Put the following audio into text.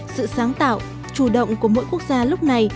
sự sáng tạo chủ động của mỗi quốc gia lúc này